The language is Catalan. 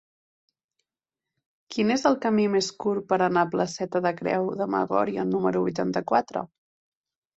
Quin és el camí més curt per anar a la placeta de Creu de Magòria número vuitanta-quatre?